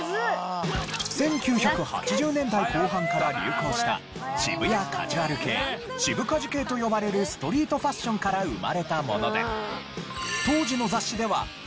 １９８０年代後半から流行した渋谷カジュアル系渋カジ系と呼ばれるストリートファッションから生まれたもので。